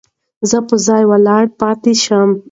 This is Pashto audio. زه په ځای ولاړ پاتې شوم.